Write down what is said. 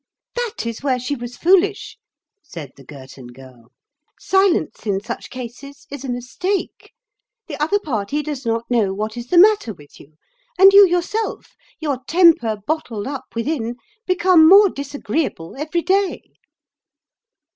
"That is where she was foolish," said the Girton Girl. "Silence in such cases is a mistake. The other party does not know what is the matter with you, and you yourself—your temper bottled up within—become more disagreeable every day."